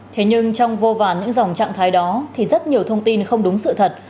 thế nhưng trong vô vàn những dòng trạng thái đó thì rất nhiều thông tin không đúng sự thật